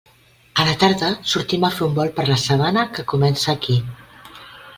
A la tarda sortim a fer un volt per la sabana que comença aquí.